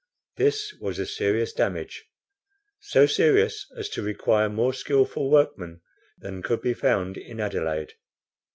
This was a serious damage, so serious as to require more skilful workmen than could be found in Adelaide.